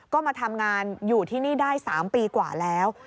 ก็มาทำงานอยู่ที่นี่ได้๓ปีกว่าแล้ว